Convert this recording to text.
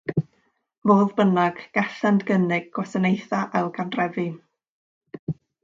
Fodd bynnag, gallant gynnig gwasanaethau ailgartrefu.